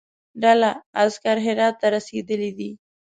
ډله عسکر هرات ته رسېدلی دي.